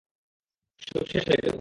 সব শেষ হয়ে গেলো।